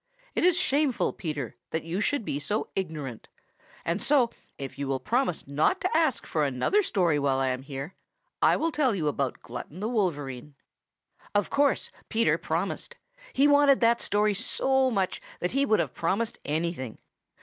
It is shameful, Peter, that you should be so ignorant. And so if you will promise not to ask for another story while I am here, I will tell you about Glutton the Wolverine." Of course Peter promised. He wanted that story so much that he would have promised anything.